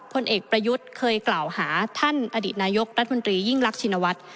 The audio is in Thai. ผลเอกประยุทธ์เคยกล่าวหาท่านอดีตนายกรัฐมนตรียิ่งรักชินวัฒน์